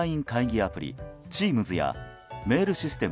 アプリＴｅａｍｓやメールシステム